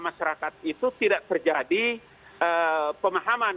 masyarakat itu tidak terjadi pemahaman